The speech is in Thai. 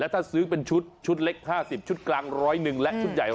ถ้าซื้อเป็นชุดชุดเล็ก๕๐ชุดกลางร้อยหนึ่งและชุดใหญ่